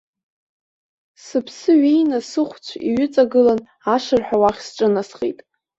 Сыԥсы ҩеины сыхәцә иҩыҵагылан, ашырҳәа уахь сҿынасхеит.